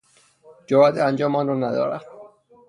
جرات انجام آن را ندارد.